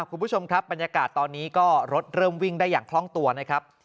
คุณผู้ชมครับบรรยากาศตอนนี้ก็รถเริ่มวิ่งได้อย่างคล่องตัวนะครับ